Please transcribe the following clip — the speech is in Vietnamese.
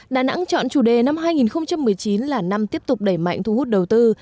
đà nẵng chọn chủ đề năm hai nghìn một mươi chín là năm tiếp tục đẩy mạnh thu hút đầu tư